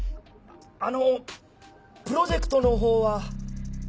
あのプロジェクトのほうは。